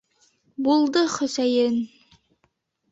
Булды, Хөсәйен!